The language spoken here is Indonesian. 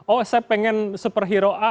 oh saya pengen superhero a